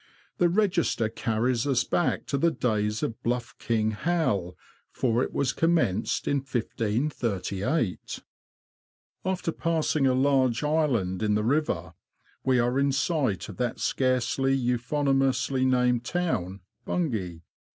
The register carries us back to the days of Bluff King Hal, for it was commenced in 1538. After passing a large island in the river, we are in sight of that scarcely euphoniously named town, Bun gay.